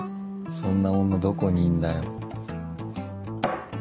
そんな女どこにいんだよ？